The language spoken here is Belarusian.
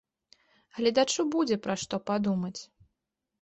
Гледачу будзе, пра што падумаць.